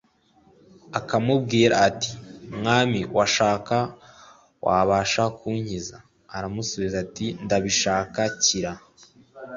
akamubwira ati: "Mwami washaka wabasha kunkiza," aramusubiza ati "Ndabishaka kira!"